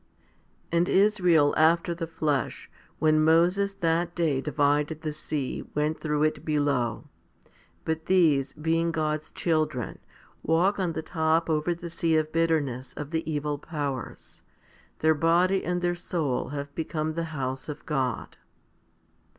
7. And Israel after the flesh, when Moses that day divided the sea, went through it below ; but these, being God's children, walk on the top over the sea of bitterness of the evil powers. Their body and their soul have become the house of God.